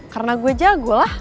karena gue jago lah